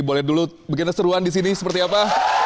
boleh dulu bikin seruan di sini seperti apa